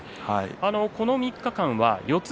この３日間は四つ